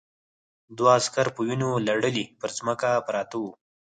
دوه عسکر په وینو لړلي پر ځمکه پراته وو